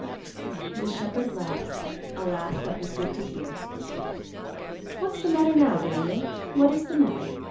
The shepherd laughed, a laugh that was good to hear. "What's the matter now, Daniel? What is the matter?